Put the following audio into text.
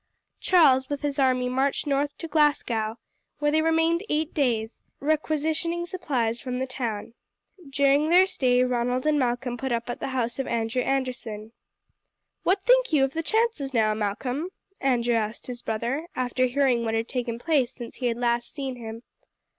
Charles with his army marched north to Glasgow, where they remained eight days, requisitioning supplies from the town. During their stay Ronald and Malcolm put up at the house of Andrew Anderson. "What think you of the chances now, Malcolm?" Andrew asked his brother, after hearing what had taken place since he had last seen him.